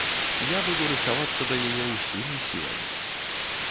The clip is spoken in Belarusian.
Я буду рыхтавацца да яе ўсімі сіламі.